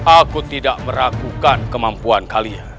aku tidak meragukan kemampuan kalian